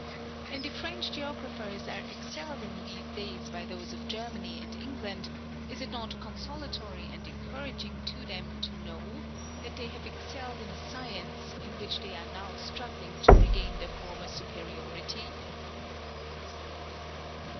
and if French geographers are excelled in these days by those of Germany and England, is it not consolatory and encouraging to them to know, that they have excelled in a science, in which they are now struggling to regain their former superiority?